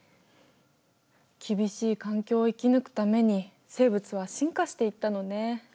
厳しい環境を生き抜くために生物は進化していったのね。